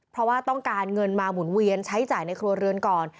เพราะว่าต้องการเงินมาหมุนเวียนใช้จ่ายในครัวเรือนก่อน